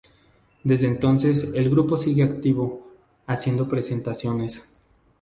Desde entonces el grupo sigue activo, haciendo presentaciones.